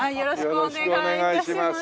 よろしくお願いします。